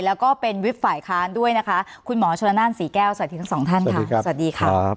แล้วก็เป็นวิภัยค้านด้วยนะคะคุณหมอสีแก้วสวัสดีทั้งสองท่านค่ะ